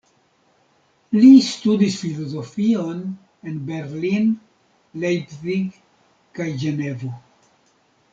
Li studis filozofion en Berlin, Leipzig kaj Ĝenevo.